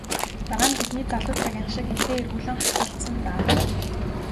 Дараа нь бидний залуу цагийнх шиг илдээ эргүүлэн хатгалцсан даа.